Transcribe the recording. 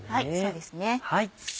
そうですね。